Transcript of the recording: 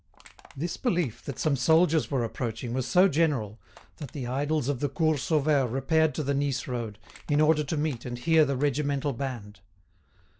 This belief that some soldiers were approaching was so general that the idles of the Cours Sauvaire repaired to the Nice road, in order to meet and hear the regimental band.